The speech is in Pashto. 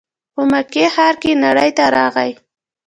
په مکې ښار کې نړۍ ته راغی.